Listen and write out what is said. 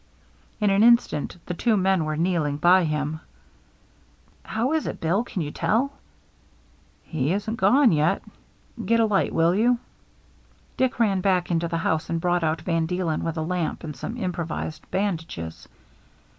In an instant the two men were kneeling by him. " How is it. Bill ? Can you tell ?"" He isn't gone yet. Get a light, will you ?" Dick ran back into the house and brought out Van Deelen with a lamp and some im provised bandages.